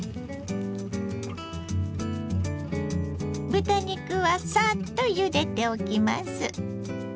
豚肉はさっとゆでておきます。